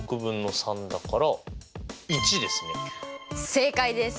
正解です！